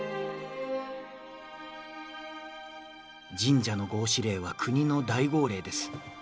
「神社の合祀令は国の大号令です。